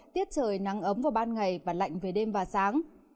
tiết trời nắng ấm vào ban ngày và lạnh về đêm và sáng